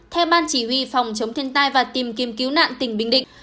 theo ban chỉ huy phòng chống thiên tai và tìm kiếm cứu nạn tỉnh bình định